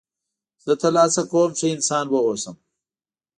زه تل هڅه کوم ښه انسان و اوسم.